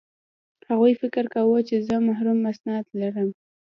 هغوی فکر کاوه چې زه محرم اسناد لرم